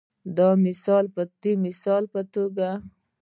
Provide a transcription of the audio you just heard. د مثال په توګه